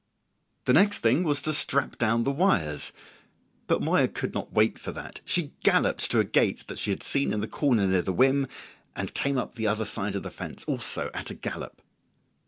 The next thing was to strap down the wires, but Moya could not wait for that. She galloped to a gate that she had seen in the corner near the whim, and came up the other side of the fence also at a gallop.